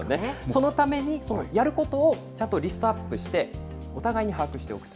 そのためにやることをちゃんとリストアップして、お互いに把握しておく。